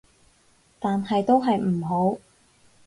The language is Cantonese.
但係都係唔好